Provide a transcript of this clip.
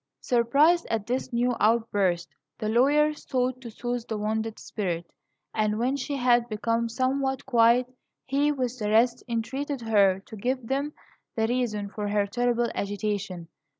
Surprised at this new outburst, the lawyer sought to soothe the wounded spirit; and when she had become somewhat quiet, he, with the rest, entreated her to give them the reason for her terrible agitation.